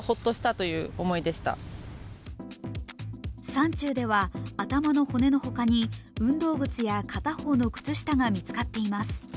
山中では頭の骨の他に運動靴や片方の靴下が見つかっています。